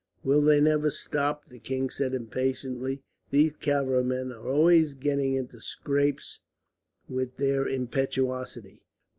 "Will they never stop?" the king said impatiently. "These cavalry men are always getting into scrapes with their impetuosity.